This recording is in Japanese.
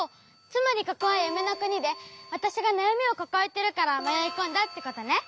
つまりここはゆめのくにでわたしがなやみをかかえてるからまよいこんだってことね？